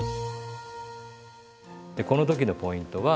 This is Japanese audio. でこの時のポイントは。